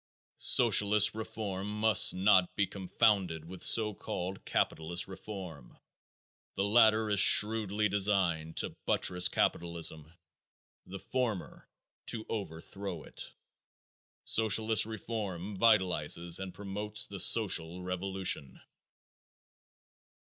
Socialist reform must not be confounded with so called capitalist reform. The latter is shrewdly designed to buttress capitalism; the former to overthrow it. Socialist reform vitalizes and promotes the social revolution.